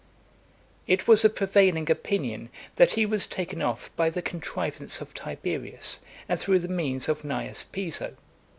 II. It was a prevailing opinion, that he was taken off by the contrivance of Tiberius, and through the means of Cneius Piso.